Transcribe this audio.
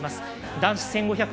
男子１５００